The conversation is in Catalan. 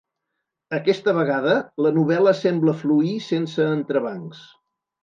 Aquesta vegada la novel·la sembla fluir sense entrebancs.